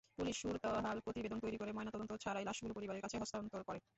Police সুরতহাল প্রতিবেদন তৈরি করে ময়নাতদন্ত ছাড়াই লাশগুলো পরিবারের কাছে হস্তান্তর করে।